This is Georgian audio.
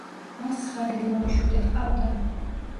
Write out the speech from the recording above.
მას ცხრა დედმამიშვილი ჰყავდა.